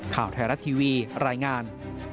ข่าวไทยรัฐทีวีรายงาน